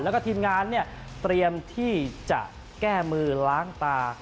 แล้วก็ทีมงานเตรียมที่จะแก้มือล้างตา